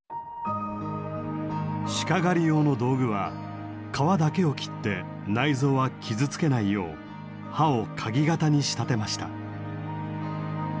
鹿狩り用の道具は皮だけを切って内臓は傷つけないよう刃をかぎ型に仕立てました。